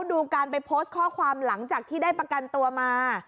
ดูการไปโพสต์ข้อความหลังจากที่ได้ประกันตัวมา